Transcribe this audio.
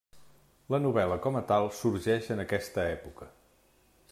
La novel·la com a tal sorgeix en aquesta època.